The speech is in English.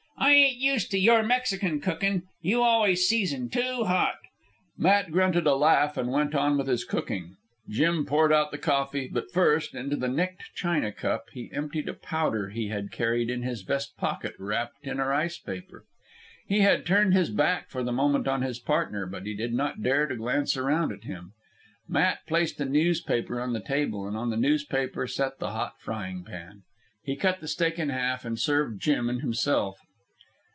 "I ain't used to your Mexican cookin'. You always season too hot." Matt grunted a laugh and went on with his cooking. Jim poured out the coffee, but first, into the nicked china cup, he emptied a powder he had carried in his vest pocket wrapped in a rice paper. He had turned his back for the moment on his partner, but he did not dare to glance around at him. Matt placed a newspaper on the table, and on the newspaper set the hot frying pan. He cut the steak in half, and served Jim and himself.